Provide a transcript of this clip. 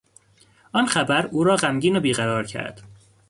آن خبر او را غمگین و بیقرار کرد.